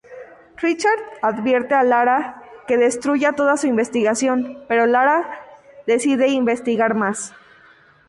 Richard advierte a Lara que destruya toda su investigación, pero Lara decide investigar más.